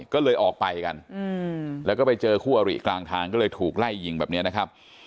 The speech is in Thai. ก็เลยออกไปกันแล้วก็ไปเจอคู่อริกลางทางก็เลยถูกไล่ยิงแบบนี้นะครับ